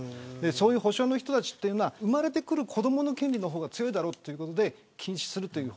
そういう保守派の人は生まれてくる子どもの権利の方が強いだろうということで禁止するという。